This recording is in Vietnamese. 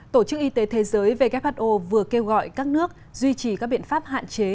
tổ chức y tế thế giới who vừa kêu gọi các nước duy trì các biện pháp hạn chế